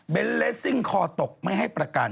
เป็นเลสซิ่งคอตกไม่ให้ประกัน